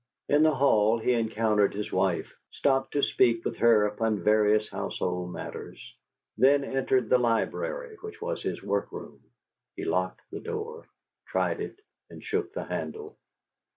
In the hall he encountered his wife; stopped to speak with her upon various household matters; then entered the library, which was his workroom. He locked the door; tried it, and shook the handle.